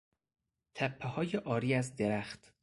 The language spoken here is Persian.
تپههای عاری از درخت